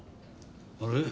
あれ？